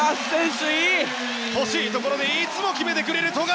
欲しいところでいつも決めてくれる富樫！